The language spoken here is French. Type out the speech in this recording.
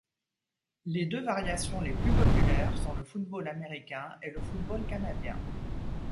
Les deux variations les plus populaires sont le football américain et le football canadien.